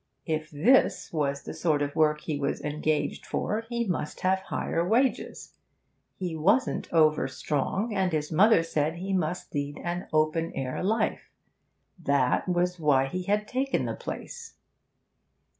If this was the sort of work he was engaged for he must have higher wages; he wasn't over strong and his mother said he must lead an open air life that was why he had taken the place.